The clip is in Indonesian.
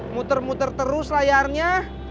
muter muter terus layarnya